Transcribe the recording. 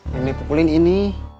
yang dipukulin ini